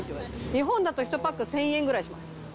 日本だと１パック１０００円ぐらいします。